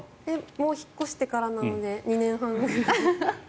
もう引っ越してからなので２年半ぐらい。